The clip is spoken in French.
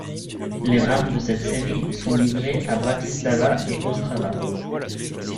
Les rames de cette série sont livrées à Bratislava et Ostrava.